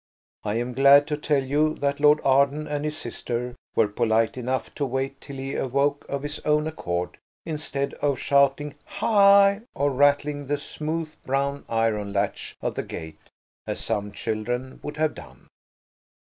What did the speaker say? I am glad to tell you that Lord Arden and his sister were polite enough to wait till he awoke of his own accord, instead of shouting "hi!" or rattling the smooth brown iron latch of the gate, as some children would have done.